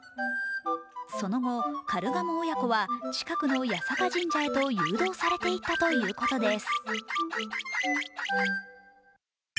その後、カルガモ親子は近くの八坂神社へと誘導されていったということです。